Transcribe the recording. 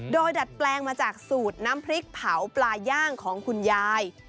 โดยดัดแปลงมาจากสูตรน้ำพริกเผาปลาย่างของคุณยาย